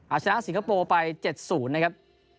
อาจยังสิงคโปร์ไป๗๐นะครับ